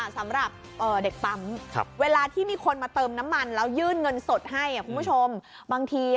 สำหรับเด็กปั๊มเวลามีคนมาเติมน้ำมันแล้วยื่นเงินสดให้